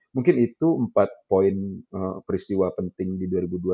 mungkin itu empat poin peristiwa penting di dua ribu dua puluh